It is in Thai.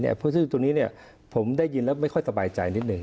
ซึ่งตรงนี้ผมได้ยินแล้วไม่ค่อยสบายใจนิดหนึ่ง